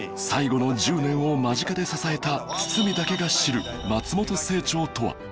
最後の１０年を間近で支えた堤だけが知る松本清張とは？